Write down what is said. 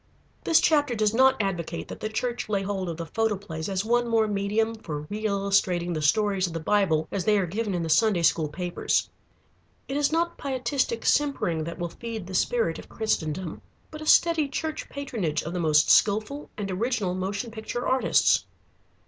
This chapter does not advocate that the Church lay hold of the photoplays as one more medium for reillustrating the stories of the Bible as they are given in the Sunday school papers. It is not pietistic simpering that will feed the spirit of Christendom, but a steady church patronage of the most skilful and original motion picture artists.